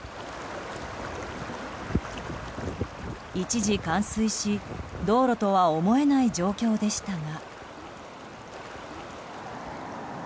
一時、冠水し道路とは思えない状況でしたが。